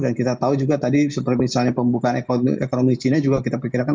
dan kita tahu juga tadi seperti misalnya pembukaan ekonomi china juga kita pikirkan